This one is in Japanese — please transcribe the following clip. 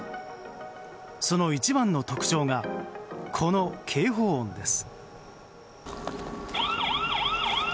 その一番の特徴がこの警報音です。